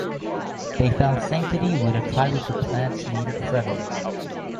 They find sanctuary with a tribe of the planet's native Fremen.